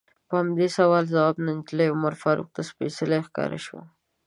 په همدې سوال ځواب نجلۍ عمر فاروق ته سپیڅلې ښکاره شوه.